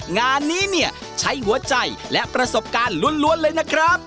งานนี้เนี่ยใช้หัวใจและประสบการณ์ล้วนเลยนะครับ